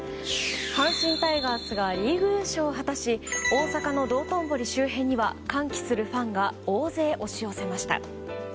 阪神タイガースがリーグ優勝を果たし大阪の道頓堀周辺には歓喜するファンが大勢押し寄せました。